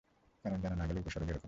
কারণ জানা না গেলেও উপসর্গ একই রকম।